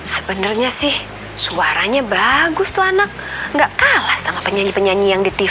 sebenarnya sih suaranya bagus tuh anak gak kalah sama penyanyi penyanyi yang di tv